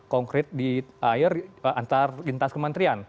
konkret di air antarintas kementerian